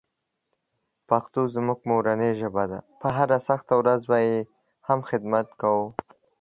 پښتو زموږ مورنۍ ژبه ده، په هره سخته ورځ به یې هم خدمت کوو.